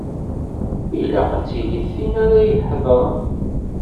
Ilaq ad tili tin ara d-iheḍṛen.